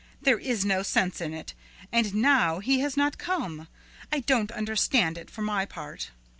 There is no sense in it, and now he has not come. I don't understand it, for my part."